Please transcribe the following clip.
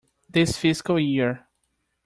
This fiscal year.